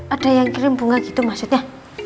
ada yang kirim bunga gitu maksudnya